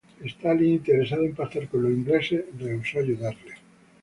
Stalin, interesado en pactar con los ingleses, rehusó ayudarle.